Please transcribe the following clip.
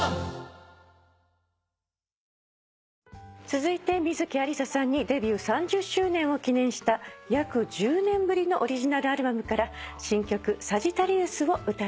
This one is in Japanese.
続いて観月ありささんにデビュー３０周年を記念した約１０年ぶりのオリジナルアルバムから新曲『サジタリウス』を歌っていただきます。